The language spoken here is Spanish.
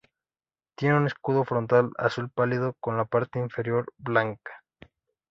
Tiene un escudo frontal azul pálido con la parte inferior blanca.